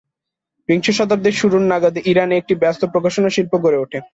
বিংশ শতাব্দীর শুরু নাগাদ ইরানে একটি ব্যস্ত প্রকাশনা শিল্প গড়ে ওঠে।